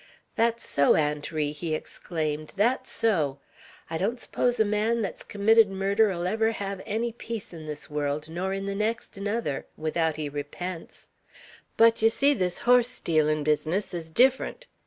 "That's so, Aunt Ri!" he exclaimed. "That's so! I don't s'pose a man that's committed murder 'll ever have any peace in this world, nor in the next nuther, without he repents; but ye see this horse stealin' business is different.